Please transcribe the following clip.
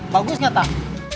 bagus gak tak